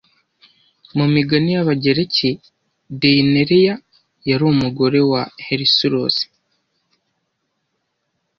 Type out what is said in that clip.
Mu migani y'Abagereki deyineriya yari umugore wa Hercules